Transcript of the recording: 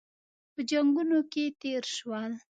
په جنګونو کې تېر شول.